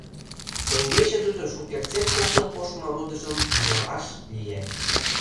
Теҥгече тудо шукертсек поктыл коштмо «родыжым» вуяваш лие.